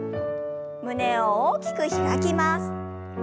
胸を大きく開きます。